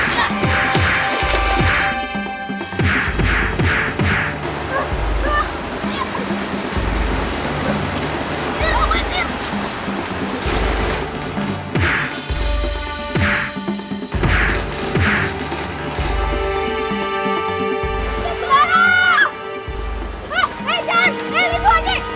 kita harus berhenti sampai bral